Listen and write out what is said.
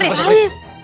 sampai ketemu lagi